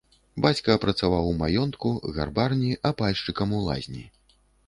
Бацька працаваў у маёнтку, гарбарні, апальшчыкам у лазні.